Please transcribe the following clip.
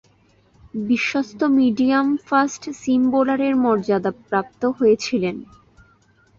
বিশ্বস্ত medium fast seam বোলারের মর্যাদাপ্রাপ্ত হয়েছিলেন।